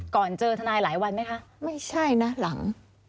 ก่อนเจอทนายหลายวันไหมคะไม่ใช่นะหลัง